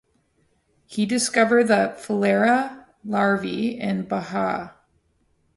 He discovered the filaria larvae in Bahia.